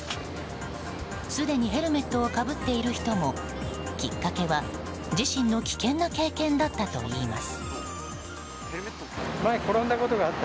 すでにヘルメットをかぶっている人もきっかけは、自身の危険な経験だったといいます。